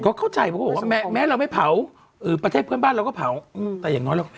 ก็เข้าใจว่าแม้เราไม่เผาประเทศเพื่อนบ้านเราก็เผาแต่อย่างน้อยเราก็